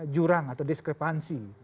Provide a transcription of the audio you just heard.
jurang atau diskrepansi